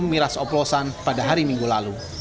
miras oplosan pada hari minggu lalu